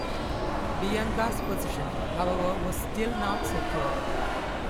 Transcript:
Bianca's position, however, was still not secure.